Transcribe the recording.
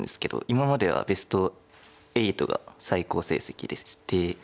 今まではベスト８が最高成績でして。